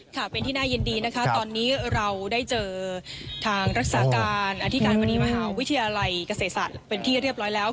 ค่ะเป็นที่น่ายินดีนะคะตอนนี้เราได้เจอทางรักษาการอธิการบดีมหาวิทยาลัยเกษตรศาสตร์เป็นที่เรียบร้อยแล้ว